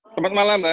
selamat malam mbak